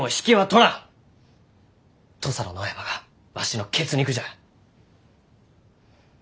土佐の野山がわしの血肉じゃ！